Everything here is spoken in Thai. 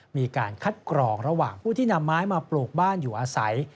มีการคัดกรองระหว่างผู้ที่นำไม้มาปลูกบ้านอยู่อาศัย